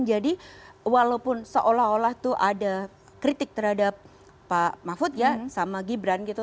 jadi walaupun seolah olah tuh ada kritik terhadap pak mahfud ya sama gibran gitu